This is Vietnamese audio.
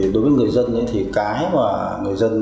đối với người dân cái mà người dân